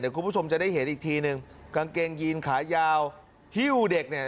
คุณผู้ชมจะได้เห็นอีกทีหนึ่งกางเกงยีนขายาวฮิ้วเด็กเนี่ย